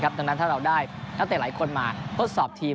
ดังนั้นถ้าเราได้นักเตะหลายคนมาทดสอบทีม